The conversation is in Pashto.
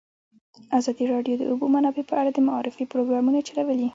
ازادي راډیو د د اوبو منابع په اړه د معارفې پروګرامونه چلولي.